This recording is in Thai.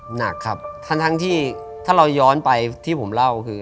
หนักครับทั้งที่ถ้าเราย้อนไปที่ผมเล่าคือ